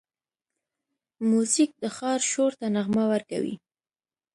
موزیک د ښار شور ته نغمه ورکوي.